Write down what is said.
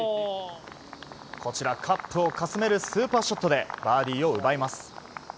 カップをかすめるスーパーショットでバーディーを奪います。